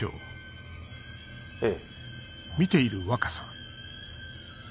ええ。